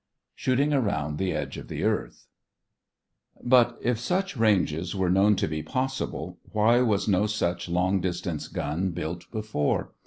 SHOOTING AROUND THE EDGE OF THE EARTH But if such ranges were known to be possible, why was no such long distance gun built before?